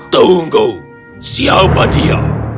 tunggu siapa dia